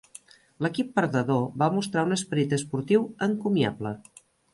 L'equip perdedor va mostrar un esperit esportiu encomiable.